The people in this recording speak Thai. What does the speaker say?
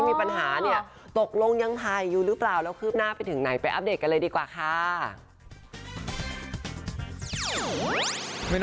ไม่น้อยใจครับผม